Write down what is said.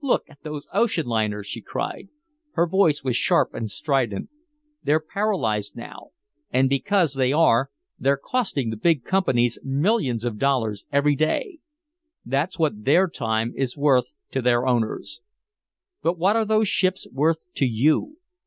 "Look at those ocean liners!" she cried. Her voice was sharp and strident. "They're paralyzed now, and because they are they're costing the big companies millions of dollars every day. That's what their time is worth to their owners. But what are those ships worth to you?